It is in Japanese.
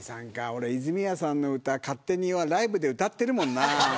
俺、泉谷さんの歌勝手にライブで歌ってるもんな。